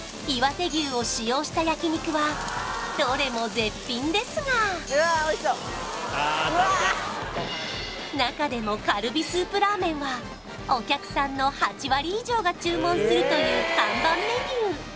いわて牛を使用した焼肉はどれも絶品ですが中でもカルビスープラーメンはお客さんの８割以上が注文するという看板メニュー